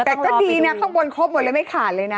แต่ก็ดีนะข้างบนครบหมดเลยไม่ขาดเลยนะ